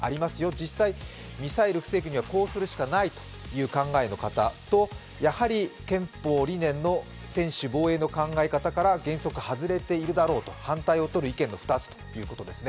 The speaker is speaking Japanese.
実際、ミサイルを防ぐにはこうするしかないという考えの方とやはり憲法理念の専守防衛の原則外れているだろうと反対をとる意見の２つということですね。